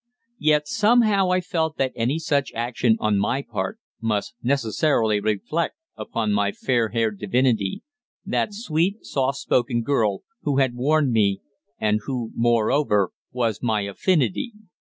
Yet somehow I felt that any such action on my part must necessarily reflect upon my fair haired divinity, that sweet, soft spoken girl who had warned me, and who, moreover, was my affinity.